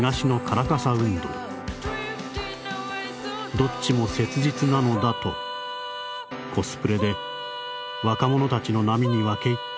「どっちも切実なのだとコスプレで若者たちの波に分け入った